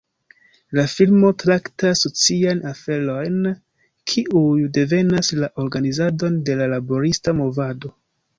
La filmo traktas socian aferojn kiuj devenas la organizadon de la laborista movado.